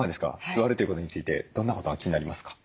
座るということについてどんなことが気になりますか？